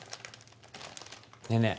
ねえねえ